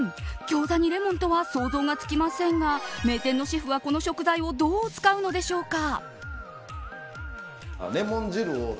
ギョーザにレモンとは想像がつきませんが名店のシェフはこの食材をどう使うのでしょうか。